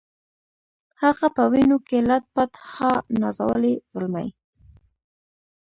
هغه په وینو کي لت پت ها نازولی زلمی